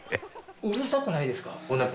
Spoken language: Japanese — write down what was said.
うるさくないですか？